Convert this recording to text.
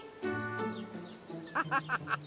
ハハハハ！